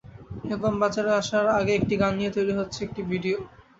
Album বাজারে আসার আগে একটি গান নিয়ে তৈরি হচ্ছে একটি ভিডিও।